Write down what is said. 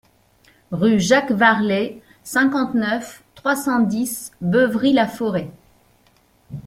Rue Jacques Varlet, cinquante-neuf, trois cent dix Beuvry-la-Forêt